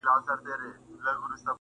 يوه بهرنۍ ښځه عکس اخلي او يادښتونه ليکي,